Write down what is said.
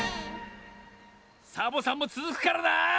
サボさんもつづくからな！